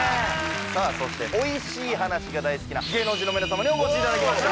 さぁそしてオイシい話が大好きな芸能人の皆様にお越しいただきました。